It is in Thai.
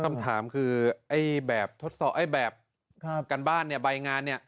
คำถามคือแบบการบ้านใบงาน